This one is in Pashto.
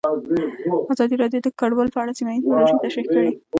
ازادي راډیو د کډوال په اړه سیمه ییزې پروژې تشریح کړې.